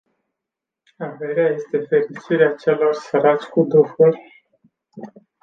Averea este fericirea celor săraci cu duhul.